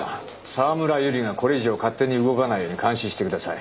沢村百合がこれ以上勝手に動かないように監視してください